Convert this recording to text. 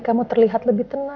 kamu terlihat lebih tenang